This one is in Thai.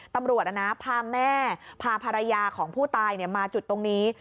ตำรวจพาแม่พาภรรยาของผู้ตายมาจุดตรงนี้